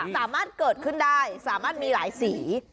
สามารถเกิดขึ้นได้สามารถมีหลายสี